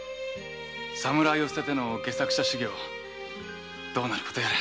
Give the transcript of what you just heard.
侍を棄てて戯作者修行どうなることやら。